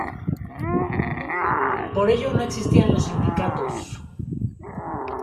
Por ello no existían los sindicatos.